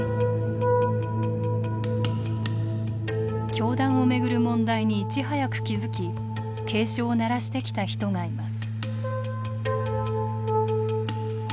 教団をめぐる問題にいち早く気付き警鐘を鳴らしてきた人がいます。